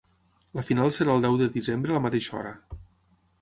La final serà el deu de desembre a la mateixa hora.